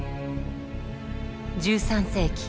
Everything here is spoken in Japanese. １３世紀